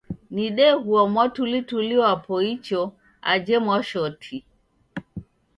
Nidegua mwatulituli wapo icho aje Mwashoti.